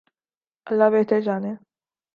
اللہ بہتر جانے۔